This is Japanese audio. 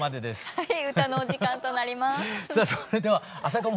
はい。